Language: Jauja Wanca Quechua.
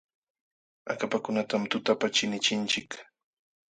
Akapakunatam tutapa chinichinchik.